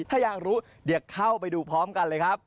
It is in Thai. ถ้าอยากรู้เดี๋ยวเข้าไปดูพร้อมกันเลยครับ